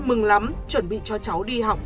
mừng lắm chuẩn bị cho cháu đi học